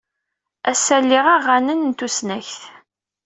Ass-a, liɣ aɣanen n tusnakt.